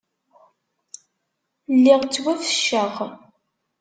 Lliɣ ttwafecceceɣ.